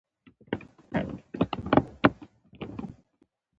که لوګی یم، دا زما د سینې تاو دی.